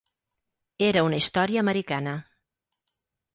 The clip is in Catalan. Era una història americana.